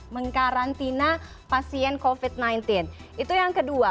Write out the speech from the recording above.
mengkarantina pasien covid sembilan belas itu yang kedua